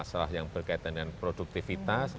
khususnya mungkin dari luar negeri juga untuk berinvestasi